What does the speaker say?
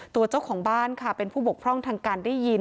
เจ้าของบ้านค่ะเป็นผู้บกพร่องทางการได้ยิน